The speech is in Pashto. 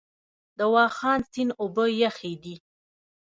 د واخان سیند اوبه یخې دي؟